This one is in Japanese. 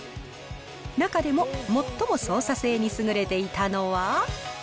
中でも最も操作性に優れていたのは。